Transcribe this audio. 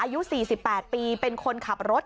อายุ๔๘ปีเป็นคนขับรถ